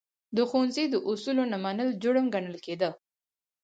د ښوونځي د اصولو نه منل، جرم ګڼل کېده.